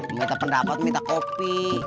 minta pendapat minta kopi